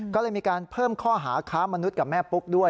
ก็เลยมีการเพิ่มข้อหาค้ามนุษย์กับแม่ปุ๊กด้วย